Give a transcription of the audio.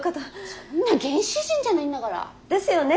そんな原始人じゃないんだから。ですよね！